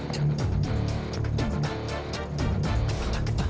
penta tidak ada dimana